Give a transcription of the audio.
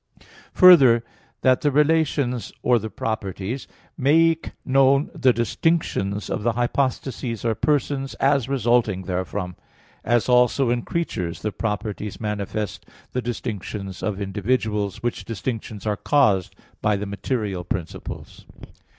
Further, that the relations, or the properties, make known the distinctions of the hypostases or persons as resulting therefrom; as also in creatures the properties manifest the distinctions of individuals, which distinctions are caused by the material principles.